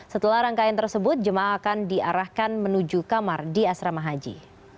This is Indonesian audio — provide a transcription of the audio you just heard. setelah rangkaian tersebut jemaah akan diarahkan menuju kamar di asrama haji